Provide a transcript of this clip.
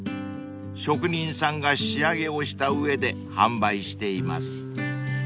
職人さんが仕上げをした上で販売しています］